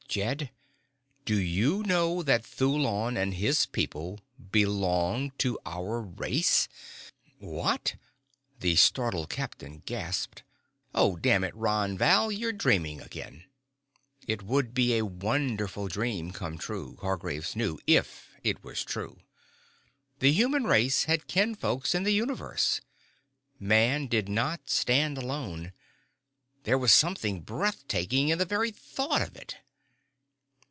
"Jed, do you know that Thulon and his people belong to our race?" "What?" the startled captain gasped. "Oh, damn it, Ron Val, you're dreaming again." It would be a wonderful dream come true, Hargraves knew, if it was true. The human race had kin folks in the universe! Man did not stand alone. There was something breath taking in the very thought of it.